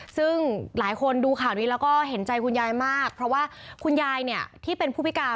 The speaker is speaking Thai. ซึ่งหลายคนดูข่าวนี้แล้วก็เห็นใจคุณยายมากเพราะว่าคุณยายเนี่ยที่เป็นผู้พิการ